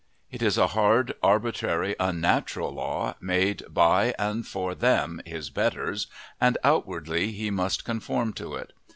It is a hard, arbitrary, unnatural law, made by and for them, his betters, and outwardly he must conform to it.